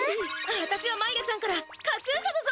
私はまいらちゃんからカチューシャだぞ！